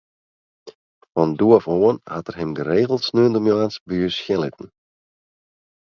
Fan doe ôf oan hat er him geregeld sneontemoarns by ús sjen litten.